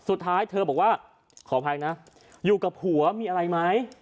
สุดท้ายเธอบอกว่าขออภัยนะอยู่กับผัวมีอะไรไหม